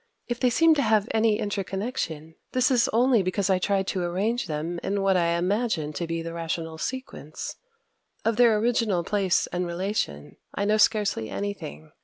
If they seem to have any interconnection, this is only because I tried to arrange them in what I imagined to be the rational sequence. Of their original place and relation, I know scarcely anything.